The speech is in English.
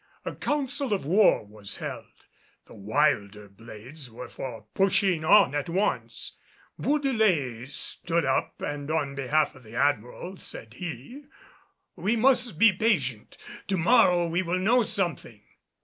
A council of war was held. The wilder blades were for pushing on at once. Bourdelais stood up and on behalf of the Admiral, said he, "We must be patient. To morrow we will know something."